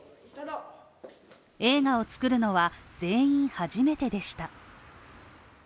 映画を作るのは全員初めてでした。